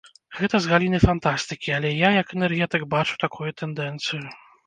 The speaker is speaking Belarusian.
Гэта з галіны фантастыкі, але я як энергетык бачу такую тэндэнцыю.